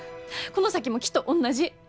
この先もきっと同じ。